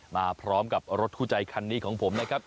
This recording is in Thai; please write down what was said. มาพร้อมกับรถคู่ใจคันนี้ของผมนะครับ